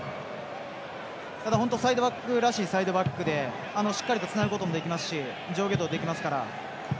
サイドバックらしいサイドバックでつなげることもできますし上下動できますから。